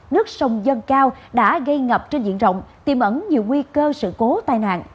nước sông dân cao đã gây ngập trên diện rộng tìm ẩn nhiều nguy cơ sự cố tai nạn